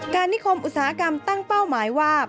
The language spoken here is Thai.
นิคมอุตสาหกรรมตั้งเป้าหมายว่า